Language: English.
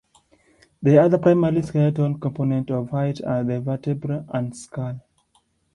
The other primary skeletal component of height are the vertebrae and skull.